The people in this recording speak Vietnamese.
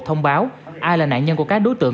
thông báo ai là nạn nhân của các đối tượng